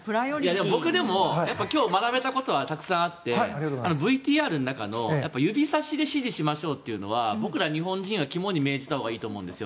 でも僕が今日学べたことはたくさんあってＶＴＲの中の指さしで指示しましょうというのは僕ら、日本人は肝に銘じたほうがいいと思うんです。